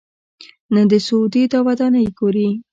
نه د سعودي دا ودانۍ ګوري.